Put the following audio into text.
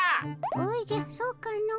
おじゃそうかの。